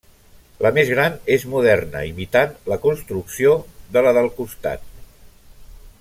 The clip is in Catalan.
La més gran és moderna, imitant la construcció de la del costat.